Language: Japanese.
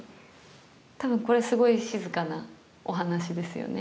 たぶんこれすごい静かなお話ですよね。